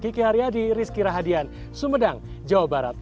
kiki haria di rizki rahadian sumedang jawa barat